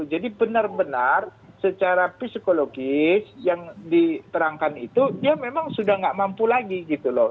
jadi benar benar secara psikologis yang diperangkan itu ya memang sudah nggak mampu lagi gitu loh